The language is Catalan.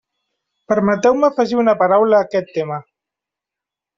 Permeteu-me afegir una paraula a aquest tema.